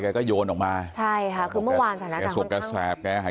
แกก็โยนออกมาพบแก่สวมแสปแกหายใจไม่ออกนะฮะ